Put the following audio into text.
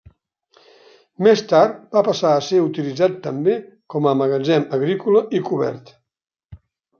Més tard va passar a ser utilitzat també com a magatzem agrícola i cobert.